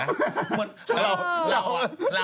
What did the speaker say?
พี่โด่งเคยห่มมั้ยเปล่า